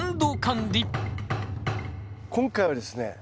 今回はですね